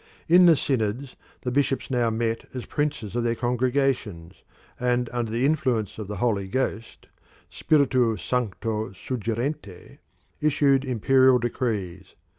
In the synods the bishops now met as princes of their congregations, and under the influence of the Holy Ghost [spiritu sancto suggerente] issued imperial decrees.